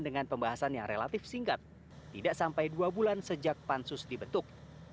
dengan pembahasan yang relatif singkat tidak sampai dua bulan sejak pansus dibentuk